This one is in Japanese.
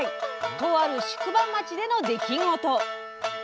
とある宿場町での出来事。